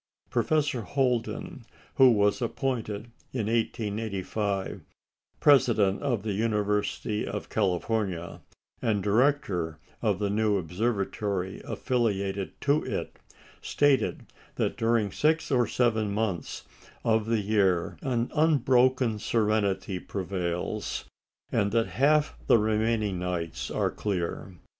Professor Holden, who was appointed, in 1885, president of the University of California and director of the new observatory affiliated to it, stated that during six or seven months of the year an unbroken serenity prevails, and that half the remaining nights are clear.